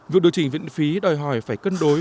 việc điều chỉnh viện phí đòi hỏi phải cân đối